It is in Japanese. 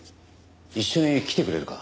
一緒に来てくれるか？